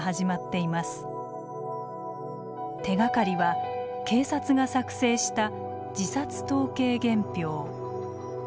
手がかりは警察が作成した自殺統計原票。